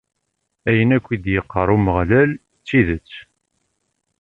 Ayen akk i d-iqqar Umeɣlal, d tidet.